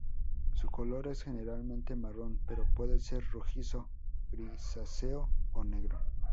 Su color es generalmente marrón pero puede ser rojizo, grisáceo o negro.